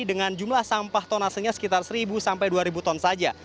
dengan jumlah sampah tonasenya sekitar seribu sampai dua ribu ton saja